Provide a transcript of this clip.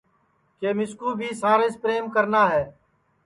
کہ مِسکُو بھی ساریںٚس پریم کرنا ہے